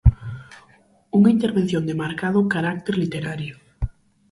Unha intervención de marcado carácter literario.